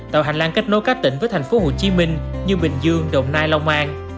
tạo hành lang kết nối các tỉnh với thành phố hồ chí minh như bình dương đồng nai long an